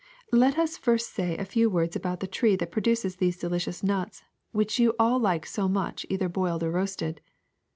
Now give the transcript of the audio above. Let us first say a few words about the tree that produces these delicious nuts, which you all like so much either boiled or roasted.